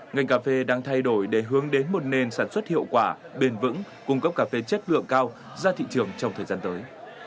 ngành cà phê đang thay đổi để hướng đến một nền sản xuất hiệu quả bền vững cung cấp cà phê chất lượng cao ra thị trường trong thời gian tới